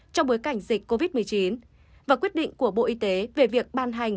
trong bối cảnh dịch covid một mươi chín và quyết định của bộ y tế về việc ban hành